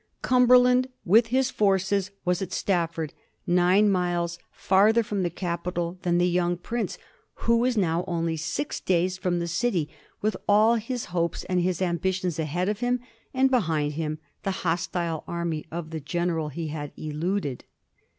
Cum berland with his forces was at Stafford, nine miles farther from the capital than the young prince, who was now only six days from the city, with all his hopes and his ambitions ahead of him, and behind him the hostile army of the gen eral he had eluded.